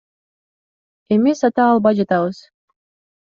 Эми сата албай жатабыз.